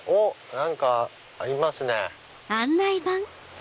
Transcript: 何かありますね。